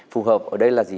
phù hợp ở đây là gì